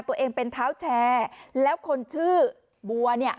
ตัวเองเป็นเท้าแชร์แล้วคนชื่อบัวเนี่ย